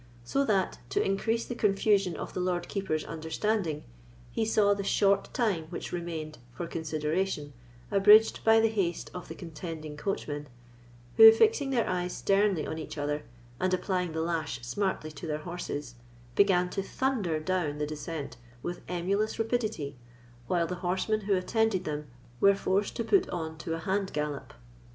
So that, to increase the confusion of the Lord Keeper's understanding, he saw the short time which remained for consideration abridged by the haste of the contending coachmen, who, fixing their eyes sternly on each other, and applying the lash smartly to their horses, began to thunder down the descent with emulous rapidity, while the horsemen who attended them were forced to put on to a hand gallop.